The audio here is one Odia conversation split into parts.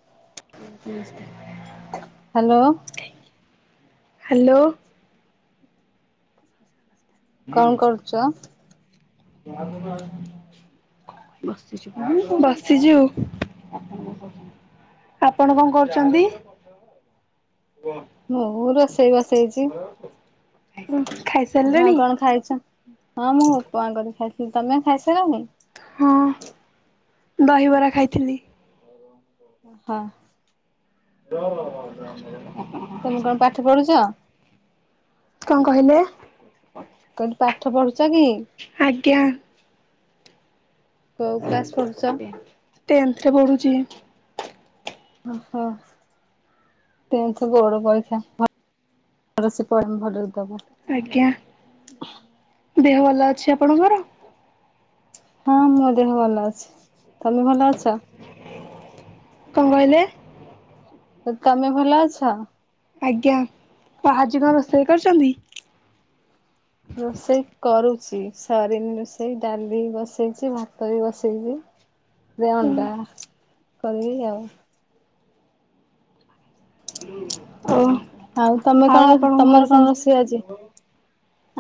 [inaudible] ହାଲୋ। ହାଲୋ। କଣ କରୁଚ? [inaudible] ବସିଚୁ ଆପଣ କଣ କରୁଚନ୍ତି? ମୁଁ ରୋଷେଇ ବସେଇଚି। ହଁ ଖାଇସାରିଲେଣି? କଣ ଖାଇଚ? ହଁ ମୁଁ ଉପମା କରିକୀ ଖାଇଥିଲି। ତମେ ଖାଇସାରଲଣି? ହଁ ଦହିବରା ଖାଇଥିଲି। ହଁ ତମେ କଣ ପାଠ ପଢୁଛ? କଣ କହିଲେ? କହିଲି ପାଠ ପଢୁଛ କି? ଆଜ୍ଞା। କୋଉ କ୍ଲାସ୍ ପଢ଼ୁଛ? ଟେନ୍ଥରେ ପଢୁଛି। ହ ହ। ଟେନ୍ଥ ବୋର୍ଡ଼ ପରୀକ୍ଷା ଭ ଭଲ ସେ ପଢ ଭଲ ସେ ଦେବ। ଆଜ୍ଞା। ଦେହ ଭଲ ଅଛି ଆପଣଙ୍କର? ହଁ ମୋ ଦେହ ଭଲ ଅଛି। ତମେ ଭଲ ଅଛ? କଣ କହିଲେ? ତ ତମେ ଭଲ ଅଛ? ଆଜ୍ଞା। ତ ଆଜି କଣ ରୋଷେଇ କରିଚନ୍ତି? ରୋଷେଇ କରୁଚି ସରିନି ରୋଷେଇ ଡାଲି ବସେଇଚି ଭାତ ବି ବସେଇଚି ଯେ ଅଣ୍ଡା କରିବି ଆଉ ଓ। ଆଉ ତମେ କଣ ଆପଣଙ୍କ ଘରେ ତମର କଣ ସମସ୍ତେ ରୋଷେଇ ଆଜି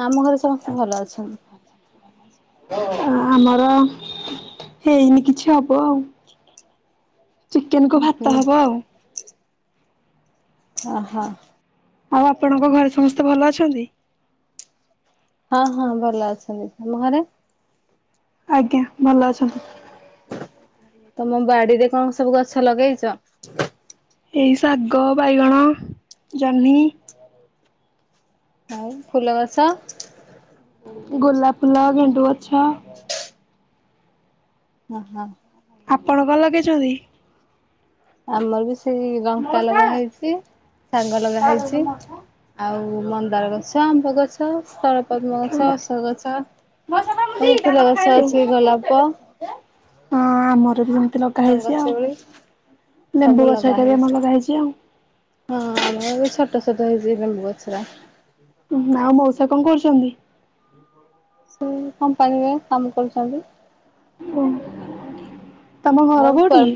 ଆମ ଘରେ ସମସ୍ତେ ଭଲ ଅଛନ୍ତି। ଆମର ହେଇନି କିଛି ହବ ଆଉ ଚିକେନ୍ କୁ ଭାତ ହବ ହୁଁ ଆଉ ଅ ହଁ। ଆଉ ଆପଣଙ୍କ ଘରେ ସମସ୍ତେ ଭଲ ଅଛନ୍ତି? ହଁ ହଁ ଭଲ ଅଛନ୍ତି। ତମ ଘରେ? ଆଜ୍ଞା ଭଲଅଛନ୍ତି। ତମ ବାଡିରେ କଣ ସବୁ ଗଛ ଲଗେଇଛ? ଏଇ ଶାଗ ବାଇଗଣ ଜହ୍ନି ଫୁଲଗଛ? ଗୋଲାପ ଫୁଲ ଗେଣ୍ଡୁ ଗଛ ଅ ହଁ। ଆପଣ କ ଣ ଲଗେଇଛନ୍ତି? ଆମର ବି ସେଇ ହଁ ଲଙ୍କା ଲଗା ହେଇଛି ଶାଗ ଲଗା ହେଇଛି ଆଉ ମନ୍ଦାର ଗଛ ଆମ ପୁଅ ତାରସବୁ ଫଳ ପଦ୍ମ ଗଛ ସୋଅ ଗଛ ସବୁ ଫୁଲ ଗଛ ଅଛି ଏ ଗୋଲାପ ହଁ ଆମର ବି ଏମତି ଲ ଲଗା ହେଇଛି ଆଉ ଗଙ୍ଗଶିଉଳି ସବୁ ଲେମ୍ବୁ ଗଛ ଲଗା ହରିକା ହେଇଛି। ଆମର ଲଗା ହେେଇଛି ଆଉ। ହଁ ଆମର ଏ ଛୋଟ ଛୋଟ ହେଇଛି ନେମ୍ବୁ ଗଛଗୁରା। ଉ ଆଉ ମଉସା କଣ କରୁଛନ୍ତି? ବର ଗଛ। ସେ କମ୍ପାନୀରେ ବା କାମ କରୁଛନ୍ତି। ଓ ତମ ଆଉ ଘର କୋଉଠି? କୁଆଡେ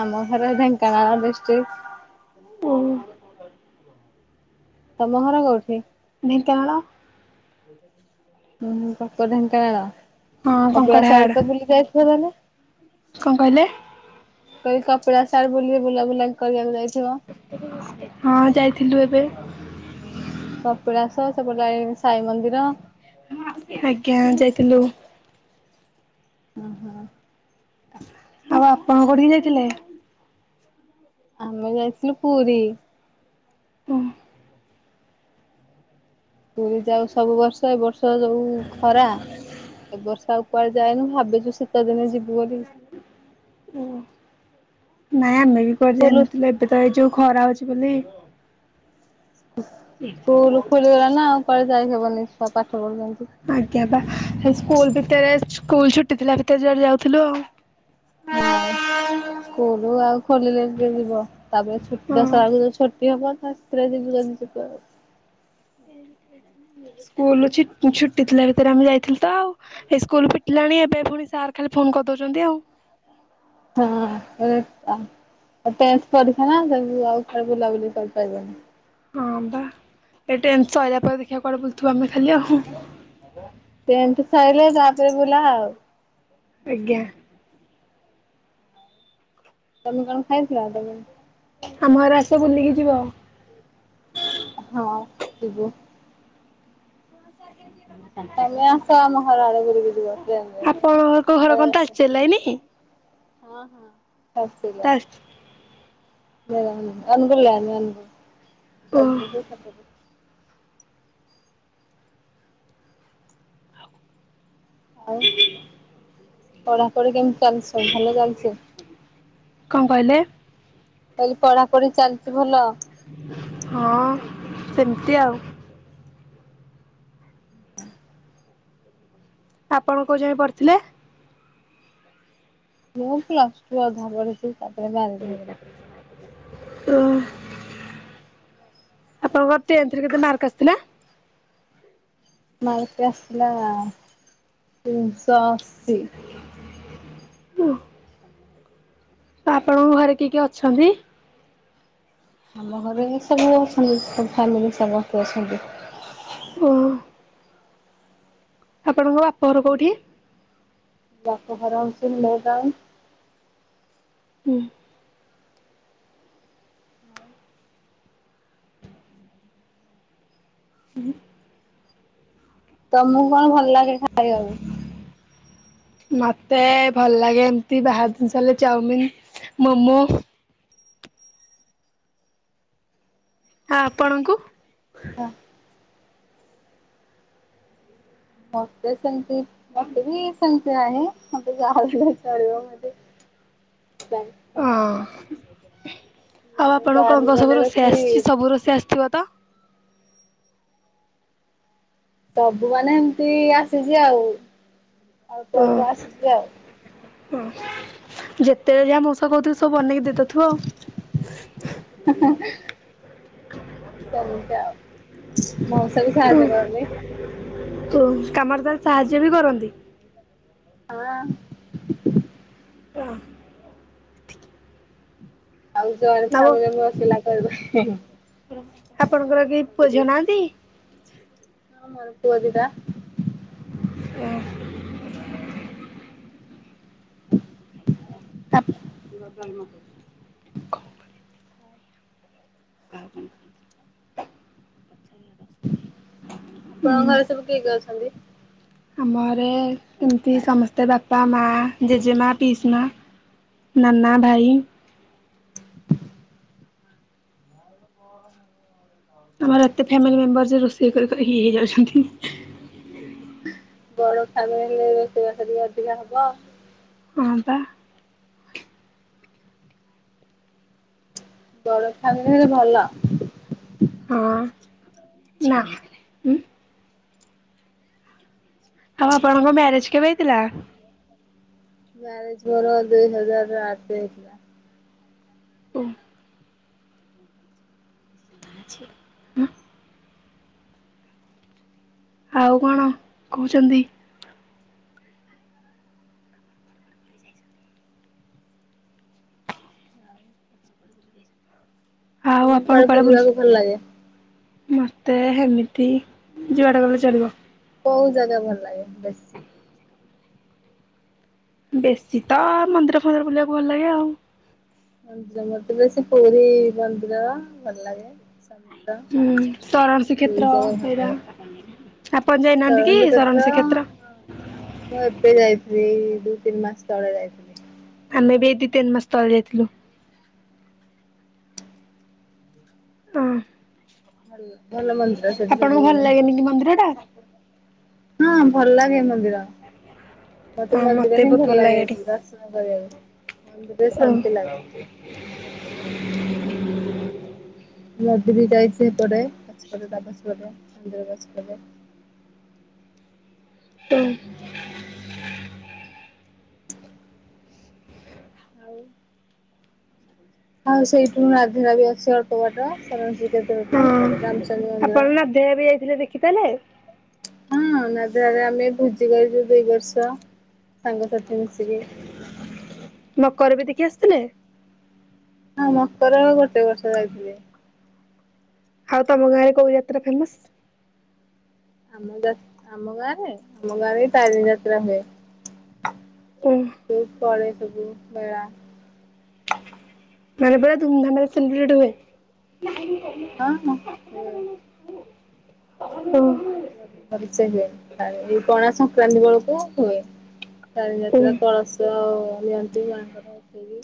ଆମ ଘର ଢେଙ୍କାନଳ ଡିଶିଟିକ୍। ଓ। ତମ ଘର କୋଉଠି? ଦେଙ୍କାନାଳ। [unintelligible] ହୁଁ ପାପ [inaudible] ହଁ କପିଳାସ କଙ୍କଡାହାଡ ଆଡେ ତ ବୁଲିଯାଇ ଥିବନ ନା ହିଁ? କଣ କହିଲେ? କପିଳାସ ଆଡେ ବୁଲି ବୁଲାବୁଲା କରିବାକୁ ଯାଇଥିବ? ହଁ ଯାଇଥିଲୁ ଏବେ। କପିଳାସ ସେପଟେ ଜାଇ ସାଇ ମନ୍ଦିର। ଆଜ୍ଞା ଯାଇଥିଲୁ। ହୁଁ ହୁଁ। ଆଉ ଆପଣ କଉଠିକି ଯାଇଥିଲେ? ଆମେ ଯାଇଥିଲୁ ପୁରୀ। ହୁ। ପୁରୀ ଯାଉ ସବୁ ବର୍ଷ ଏ ବର୍ଷ ଯୋଉ ଖରା ଏ ବର୍ଷ ଆଉ କୁଆଡ ଯାଇନୁ ଭାବିଛୁ ଶୀତ ଦିନେ ଯିବୁ ବୋଲି। ଓ ନାଇମେ ଆମେ ବି କୁଆଡେ ସ୍କୁଲ ଯାଇନଥିଲୁ ଏବେ ଏବେ ତ ଏଇ ଯୋଉ ଖରା ହୋଉଛି ବୋଲି ସ୍କୁଲ ଖୋଲିଗଲାଣି ନା ଆଉ କୁଆଡେ ଯାଇ ହେବନି ଛୁଆ ପାଠ ପଢୁଛନ୍ତି। ଆଜ୍ଞା ବା ସେ ସ୍କୁଲ ଭିତରେ ସ୍କୁଲ ଛୁଟି ଥିଲା ଭିତରେ ଯୁଆଡେ ଯାଉଥିଲୁ ଆଉ। ହୁଁ ସ୍କୁଲ ଆଉ ଖୋଲିଲେ କିଏ ଯିବ। ତାପରେ ଛୁଟି ହଁ ଦଶରା ବେଳୁକୁ ଯଉ ଛୁଟି ହବ ନା ସେଥିରେ ଯିବୁ ଯିଦି ଯିବୁ ଆଉ। ସିଏ ଯଦି ସେଇଟା ନେଲେ ସ୍କୁଲ ଛୂ ଛୁଟି ଥିଲା ଭିତରେ ଆମେ ଯାଇଥିଲୁ ତ ଆଉ। ଏଇ ସ୍କୁଲ ଫିଟିଲାଣି ଏବେ ପୁଣି ସାର୍ ଖାଲି ଫୋନ କରିଦଉଛନ୍ତି ଆଉ। ହଁ ହଁ ଟେନ୍ଥ ପରିକ୍ଷା ନା ସବୁ ଆଉ କୁଆଡେ ବୁଲାବୁଲି କରିପାରିବନି। ହଁ ବା ଏ ଟେନ୍ଥ ସଇଲା ପରେ ଦେଖିବା କୁଆଡେ ବୁଲୁଥିବା ଆମେ ଖାଲି ଆଉ। ଟେନ୍ଥ ସାଇଲେ ତାପରେ ବୁଲା ଆଉ। ଆଜ୍ଞା। ତମେ କଣ ଖାଇଥିଲ ତମେ? ଆମ ଘରେ ଆସ ବୁଲିକି ଯିବ? ହଁ ଯିବୁ। ସେ ଯିବ ଭାରି। ତମେ ଆସ ଆମ ଘରାଆଡେ ବୁଲିକି ଯିବ ଟ୍ରେନେରେ ଆପଣଙ୍କ ଘର କଣ ପାଲେଇଆସ? ତାଳଚେର ଲାଇନି? ହଁ ହଁ ହସିଲା। ତାଳ ଅନୁଗୁଳୁ ଲାଇନି ଅନୁଗୁଳ ଓ ତାଳଚେର ବି ସେପଟେ। ଆଉ ପଢ଼ାପଢ଼ି କେମିତି ଚାଲିଚି ସବୁ ଭଲ ଚାଲିଚି? କଣ କହିଲେ? କହିଲି ପଢ଼ାପଢ଼ି ଚାଲିଛି ଭଲ? ହଁ ସେମିତି ଆଉ। [inaudible] ଆପଣ କୋଉ ଯାଏ ପଢ଼ିଥିଲେ? ମୁଁ ପ୍ଲସଟୁ ଅଧା ପଢ଼ିଚି ତାପରେ ବାହାଘର ହେଇଗଲା। ଓ ଆପଣଙ୍କର ଟେନ୍ଥରେ କେତେ ମାର୍କ ଆସିଥିଲା? ମାରକେ ଆସିଥିଲା ତିନି ଶହ ଅଶି। [unintelligible] ତ ଆପଣଙ୍କ ଘରେ କିଏ କିଏ ଅଛନ୍ତି? ଆମ ଘରେ ବି ସବୁ ଅଛନ୍ତି ସବୁ ଫ୍ୟାମିଲି ସମସ୍ତେ ଅଛନ୍ତି। ଓ ଆପଣଙ୍କ ବାପ ଘର କୋଉଠି? ବାପଘର ହୋଉଛି ନୂଆ ଟାଉନ୍। ହୁଁ। ହୁଁ। ତମକୁ କଣ ଭଲ ଲାଗେ ଖାଇବାକୁ? ମତେ ଭଲ ଲାଗେ ଏମତି ବାହାର ଜିନଷ ହେଲେ ଚାଉମିନି। ମୋମୋ। ଆଉ ଆପଣଙ୍କୁ? [unintelligible] ମତେ ସେମତି ମତେ ବି ସେମତି କିଛି ନାହିଁ ମତେ ଯାହା ହେଲେ ବି ଚଳିବ ମୁ ଏତେ ବାରେନି। ହଁ ଆଉ ଆପଣ କଣ ବାହାରକୁ କଣ ଗଲେ ସବୁ ରୋଷେଇ ବେଶୀ ଆସିଛି ସବୁ ରୋଷେଇ ଆସିଥିବ ତ? ସବୁ ମାନେ ଏମିତି ଆସିଛି ଆଉ ଅଳ୍ପ ଆସିଛି ଆଉ। ହଁ ଯେତେବେଳେ ଯାହା ମଉସା କହୁଥିବେ ସବୁ ବନେଇକି ଦେଇଦଉଥିବ ଆଉ। ହୁଁ ହଁ। ସେମିତି ଆଉ ମଉସା ବି ସାହାଯ୍ୟ କରନ୍ତି। ଓ କାମରେ ତାହେଲେ ସାହାଯ୍ୟ ବି କରନ୍ତି। ହଁ। [unintelligible] ଆଉ [unintelligible] ଆପଣଙ୍କର କେହି ମତେ ପୁଅ ଟିକେ ଝିଅ ନାହାନ୍ତି? ହଁ ପୁଅ ଦିଟା। ଓ। [unintelligible] [unintelligible] ଆପଣଙ୍କ ଘରେ ସବୁ କିଏ କିଏ ଅଛନ୍ତି? ଆମର ଏମିତି ସମସ୍ତେ ବାପା, ମା, ଜେଜେମା, ପିଇସି ମା ନାନା, ଭାଇ। ଓହୋ। ଆମର ଏତେ ଫ୍ୟାମିଲି ମେମ୍ବର ରୋଷେଇ କରି କରି ଇଏ ହେଇଯାଉଛନ୍ତି। ବଡ ଫ୍ୟାମିଲୀ ହେଲେ ରୋଷେଇବାସ ଟିକେ ଅଧିକା ହବ। ହଁ ପା। ବଡ଼ ଫ୍ୟାମିଲୀ ହେଲେ ଭଲ। ହଁ, ଯା ଉ। ଆଉ ଆପଣଙ୍କ ମ୍ୟାରେଜ କେବେ ହେଇଥିଲା? ମ୍ୟାରେଜ ମୋର ଦୁଇ ହଜାର ଆଠ ରେ। ହଉ। [inaudible] [unintelligible] ଆଉ କଣ କହୁଛନ୍ତି? ଆଉ ତମକୁ ଆପଣ କୁଆଡେ କୁଆଡ଼େ ବୁଲ ବୁଲିବାକୁ ଭଲ ଲାଗେ ମତେ ହେମିତି ଯୁଆଡ଼େ ଗଲେ ଚଳିବ। କୋଉ ଜାଗା ଭଲ ଲାଗେ ବେଶୀ? ବେଶୀ ତ ମନ୍ଦିର ଫନ୍ଦିର ବୁଲିଆକୁ ଭଲ ଲାଗେ ଆଉ। ମନ୍ଦିର ମତେ ବେଶୀ ପୁରୀ ମନ୍ଦିର ଭଲ ଲାଗେ। ସମୁଦ୍ର ହୁଁ ଶରଣ ଦୁଇ ଶ୍ରୀକ୍ଷେତ୍ର ଜାଗା ଭଲ ସେଇଟା ଲାଗେ। ଆପଣ ଯାଇନାହାଁନ୍ତି କି ଷୋଳଶୀ ଶରଣ କ୍ଷେତ୍ର ଶ୍ରୀକ୍ଷେତ୍ର? ମୁଁ ଏବେ ଯାଇଥିଲି, ଏଇ ଦୁଇ ତିନି ମାସ ତଳେ ଯାଇଥିଲି। ଆମେ ବି ଏଇ ଦି ତିନି ମାସ ତଳେ ଯାଇଥିଲୁ। ହଁ ଭଲ ଭଲ ମନ୍ଦିର ସେଠି ସବୁ ଆପଣଙ୍କୁ ଭଲ ଲାଗେନି କି ମନ୍ଦିର ଟା? ହଁ ଭଲ ଲାଗେ ମନ୍ଦିର, ମତେ ହଁ ମନ୍ଦିର ବି ହିଁ ବହୁତ ଭଲ ଲାଗେ ଏଠି। ଦର୍ଶନ କରିଆକୁ। ଓ। ନଦୀ ବି ଯାଇଛି ସେଇପଟେ ପଛପଟେ [unintelligible] ମନ୍ଦିର ପଛପଟେ। ହଁ। ଆଉ ଆଉ ସେଇଠୁ [unintelligible] ବି ଅଛି ଅଳ୍ପ ବାଟ, ଶରଣ ଶ୍ରୀକ୍ଷେତ୍ରଠୁ ରାମଚଣ୍ଡୀ ମନ୍ଦିର। ସେଇଆ ବି ଯାଇଥିଲେ ଦେଖିଥିଲେ। ହଁ [unintelligible] ଆମେ ଭୋଜି କରିଛୁ ଦୁଇ ବର୍ଷ ସାଙ୍ଗସାଥି ମିଶିକି। ମକର ବି ଦେଖି ଆସିଥିଲେ? ହଁ ମକର ଗୋଟେ ବର୍ଷ ଯାଇଥିଲି। ଆଉ ତମ ଗାଁରେ କୋଉ ଯାତ୍ରା ଫେମସ? ଆମ ଯା ଆମ ଗାଁରେ, ଆମ ଗାଁରେ ତାରିଣୀ ଯାତ୍ରା ହୁଏ। ଓ। ବହୁତ ପଡେ ସବୁ ମେଳା। ମାନେ ପୁରା ଧୁମଧାମରେ ସେଲିବ୍ରେଟ ହୁଏ। ହଁ- ହଁ। ହୁଏ ଓ। ପରିଚୟ ହୁଏ, ଏଇ ପଣା ସଂକ୍ରାନ୍ତି ବେଳକୁ ହୁଏ। ତାରିଣୀ ଓ ଯାତ୍ରା, କଳସ ନିଅନ୍ତି ମାଆଙ୍କର ଉଠେଇକି।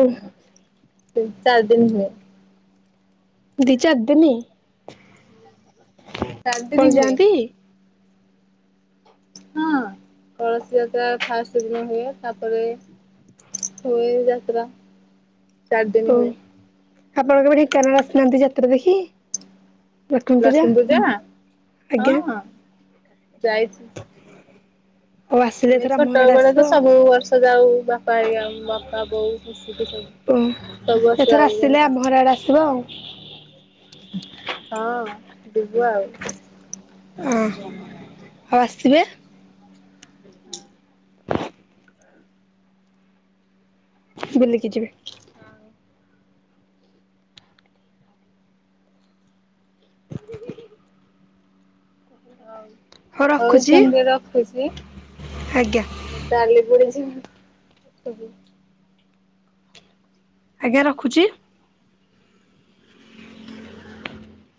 ଉଁ। ତିନି ଚାରି ଦିନ ହୁଏ। ଦି ଚାରିଦିନି ଚାରିଦିନ ହୁଏ। ଯାଆନ୍ତି? ହଁ କଳସୀ ଯାତ୍ରା ଫାଷ୍ଟ ଦିନ ହୁଏ, ତାପରେ ହୁଏ ଯାତ୍ରା ଚାରି ଦିନ ଓ, ହୁଏ ଆପଣଙ୍କ କେବେ ଢେଙ୍କାନାଳ ଆସିନାହାନ୍ତି ଯାତ୍ରା ଦେଖି? ଲକ୍ଷ୍ମୀ ପୂଜା? ଲକ୍ଷ୍ମୀପୂଜା ଆଜ୍ଞା। ହଁ ଯାଇଛି। ଆଉ ଆସିଲେ ଆମେ ଏଥର ଆମ ଘର ଛୋଟ ଆଡେ ବେଳେ ଆସିବ। ତ ସବୁ ବର୍ଷ ଯାଉ, ବାପା ହେରିକା ବାପା ବୋଉ ମିସିକି ସବୁ। ଓ, ସବୁ ବର୍ଷ ଏଥର ଯାଉ ଆସିଲେ ଆମ ଢେଙ୍କାନାଳ ଘର ଆଡ଼େ ଆସିବ ଆଉ। ହଁ ଯିବୁ ଆଉ। ହଁ ଆଉ ଆସିିବେ। ହ [inaudible] ବୁଲିକି ଯିବେ। ହଁ [inaudible] [inaudible] ହଉ ହଉ ସୋନି ଦେଇ ରଖୁଛି। ଆଜ୍ଞା ମୋ ଡାଲି ପୋଡିଯିବ ରଖୁଚି। ଆଜ୍ଞା ରଖୁଛି।